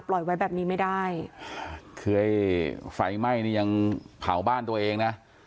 ปล่อยไว้แบบนี้ไม่ได้เคยไฟไหม้นี่ยังเผาบ้านตัวเองน่ะ